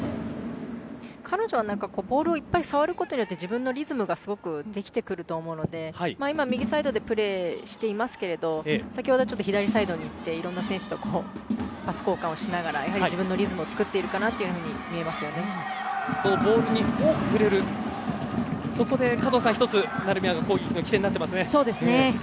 彼女はボールをいっぱい触ることによって自分のリズムがすごくできてくると思うので今、右サイドでプレーしていますけれども先ほどは左サイドに行っていろんな選手とパス交換しながら自分のリズムを作っているようにボールに多く触れるそこで、加藤さん１つ成宮が攻撃の起点にそうですね。